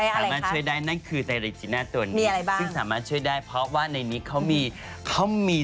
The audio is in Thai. สามารถช่วยได้นั่นคือไตลิจิน่าตัวนี้ซึ่งสามารถช่วยได้เพราะว่าในนี้เขามี